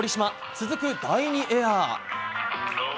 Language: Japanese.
続く第２エア。